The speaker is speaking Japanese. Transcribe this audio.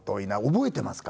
覚えてますか？